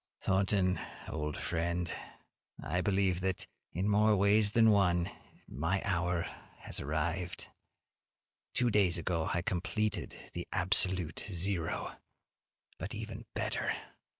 Thornton, old friend, I believe that, in more ways than one, my hour has arrived. Two days ago I completed the absolute zero. But even better!